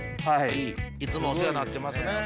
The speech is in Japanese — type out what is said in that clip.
いつもお世話になってますね。